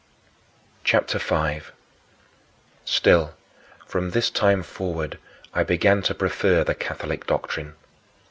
CHAPTER V 7. Still, from this time forward, I began to prefer the Catholic doctrine.